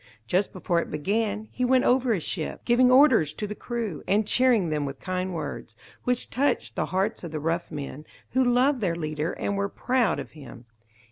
Just before it began, he went over his ship, giving orders to the crew, and cheering them with kind words, which touched the hearts of the rough men, who loved their leader and were proud of him.